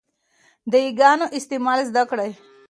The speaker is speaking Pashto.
د 'ي' ګانو استعمال زده کړئ.